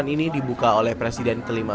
dan diperoleh oleh presiden kelima